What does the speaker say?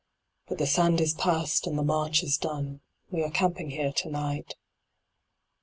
But the sand is passed, and the march is done, We are camping here to night.